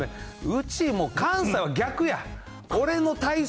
うちも関西は逆や。